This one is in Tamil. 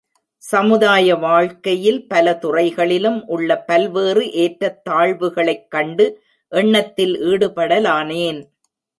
சமுதாய வாழ்க்கையில் பலதுறைகளிலும் உள்ள பல்வேறு ஏற்றத் தாழ்வுகளைக் கண்டு எண்ணத்தில் ஈடுபடலானேன்.